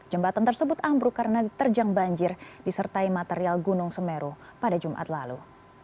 jembatan tersebut ambruk karena diterjang banjir disertai material gunung semeru pada jumat lalu